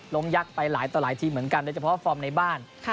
ยักษ์ไปหลายต่อหลายทีมเหมือนกันโดยเฉพาะฟอร์มในบ้าน